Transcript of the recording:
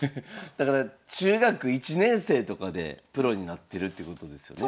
だから中学１年生とかでプロになってるってことですよね？